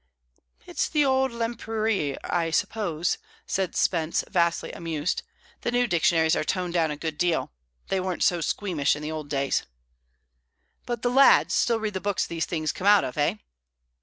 "It's the old Lempriere, I suppose," said Spence, vastly amused. "The new dictionaries are toned down a good deal; they weren't so squeamish in the old days." "But the lads still read the books these things come out of, eh?"